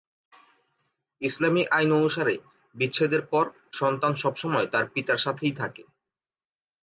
ইসলামী আইন অনুসারে, বিচ্ছেদের পর সন্তান সবসময় তার পিতার সাথেই থাকে।